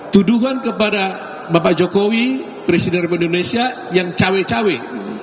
tuduhan kepada bapak jokowi presiden republik indonesia yang cawe cawe